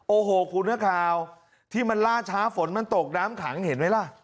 โอ้โหคุณนักข่าวที่มันล่าช้าฝนมันตกน้ำขังเห็นไหมล่ะ